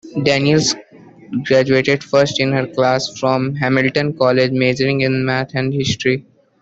Daniels graduated first in her class from Hamilton College, majoring in math and history.